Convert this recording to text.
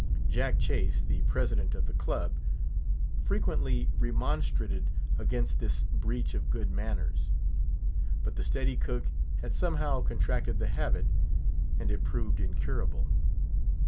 Jack Chase, the President of the Club, frequently remonstrated against this breach of good manners; but the steady cook had somehow contracted the habit, and it proved incurable.